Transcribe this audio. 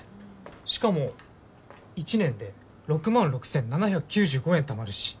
しかも１年で６万６，７９５円たまるし。